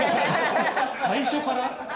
最初から？